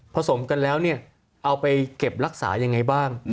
สมกันแล้วเอาไปเก็บรักษายังไงบ้าง